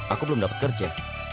aku belum dapat kerja